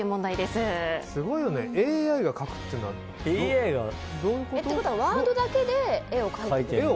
すごいよねＡＩが描くというのは。ということはワードだけで絵を描いてる？